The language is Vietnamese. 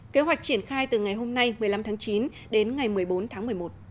kế hoạch triển khai từ ngày hôm nay một mươi năm tháng chín đến ngày một mươi bốn tháng một mươi một